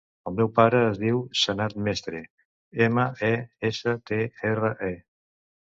El meu pare es diu Sanad Mestre: ema, e, essa, te, erra, e.